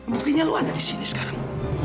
buktinya lo ada di sini sekarang